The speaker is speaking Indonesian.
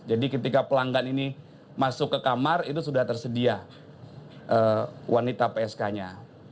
jadi ketika pelanggan ini masuk ke kamar itu sudah tersedia wanita psk nya